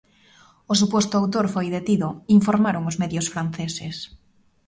O suposto autor foi detido, informaron os medios franceses.